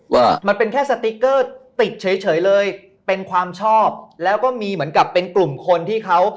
ว่ามันเป็นแค่สติ๊กเกอร์ติดเฉยเฉยเลยเป็นความชอบแล้วก็มีเหมือนกับเป็นกลุ่มคนที่เขา